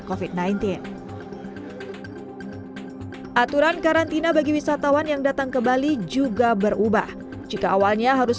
covid sembilan belas aturan karantina bagi wisatawan yang datang ke bali juga berubah jika awalnya harus